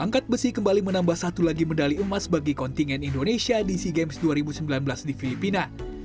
angkat besi kembali menambah satu lagi medali emas bagi kontingen indonesia di sea games dua ribu sembilan belas di filipina